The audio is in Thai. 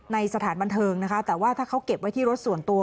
สถานบันเทิงนะคะแต่ว่าถ้าเขาเก็บไว้ที่รถส่วนตัว